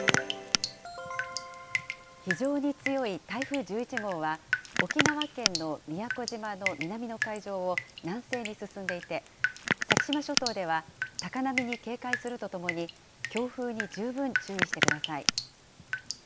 非常に強い台風１１号は、沖縄県の宮古島の南の海上を南西に進んでいて、先島諸島では高波に警戒するとともに、強風に十分注意してください。